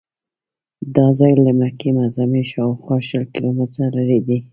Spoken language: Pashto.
دا ځای له مکې معظمې شاوخوا شل کیلومتره لرې دی.